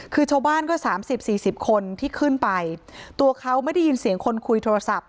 คือชาวบ้านก็สามสิบสี่สิบคนที่ขึ้นไปตัวเขาไม่ได้ยินเสียงคนคุยโทรศัพท์